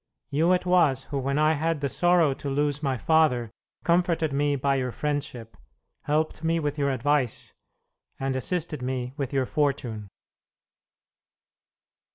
You it was who, when I had the sorrow to lose my father, comforted me by your friendship, helped me with your advice, and assisted me with your fortune."